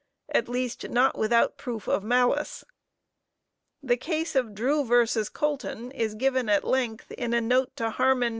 At least, not without proof of malice." The case of Drewe v. Coulton is given at length in a note to _Harman v.